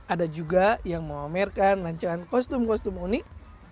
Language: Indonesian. ada juga yang memamerkan rancangan kostum kostum unik